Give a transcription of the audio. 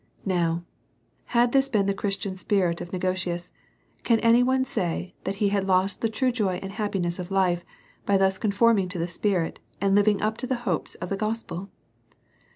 158 A SERIOUS CALL TO A Now, had this been the Christian spirit of Negoti us, can any one say that he had lost the true joy and happiness of life by thus conforming to the spirit, and living up to the hopes of the gospel